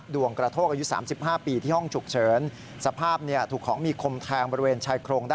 ดวงกระโทกอายุ๓๕ปีที่ห้องฉุกเฉิน